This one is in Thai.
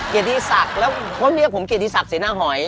เกียรติศักดิ์คนเรียกผมเกียรติศักดิ์เสน่าหอย